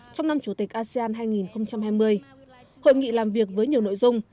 trong năm chủ tịch asean hai nghìn hai mươi hội nghị làm việc với nhiều nội dung